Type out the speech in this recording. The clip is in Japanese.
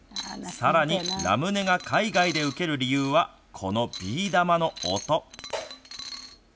さらに、ラムネが海外でうける理由はこのビー玉の音。